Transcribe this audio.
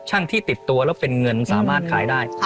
ที่ติดตัวแล้วเป็นเงินสามารถขายได้